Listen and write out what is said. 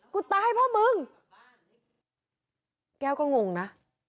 กูตายเพราะมึงแก้วก็งงน่ะ